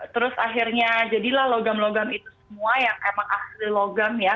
terus akhirnya jadilah logam logam itu semua yang emang asli logam ya